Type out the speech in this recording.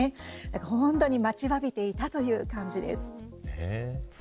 本当に待ちわびていたという感じです。